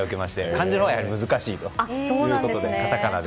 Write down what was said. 漢字のほうが難しいということでカタカナで。